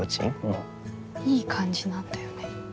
いい感じなんだよね？